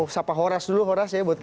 sapa horas dulu horas ya buat